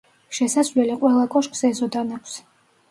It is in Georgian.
შესასვლელი ყველა კოშკს ეზოდან აქვს.